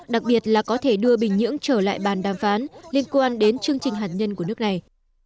đặc biệt là có thể đưa bình nhưỡng trở lại bàn đàm phán liên quan đến chương trình hạt nhân của nước này